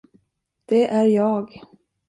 Det är jag.